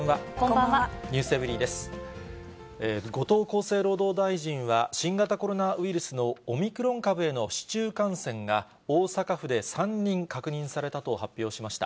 後藤厚生労働大臣は、新型コロナウイルスのオミクロン株への市中感染が、大阪府で３人確認されたと発表しました。